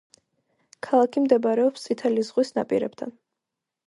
ქალაქი მდებარეობს წითელი ზღვის ნაპირებთან.